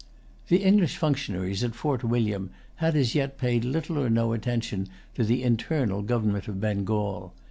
The English functionaries at Fort William had as yet paid little or no attention to the internal government of Bengal.